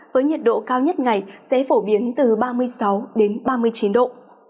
với nhiệt độ cao nhất ngày sẽ phổ biến từ ba mươi sáu ba mươi chín độ